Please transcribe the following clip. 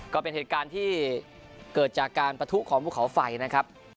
ก็เป็นเหตุการณ์ที่เกิดจากการประทุของภูเขาไฟนะครับ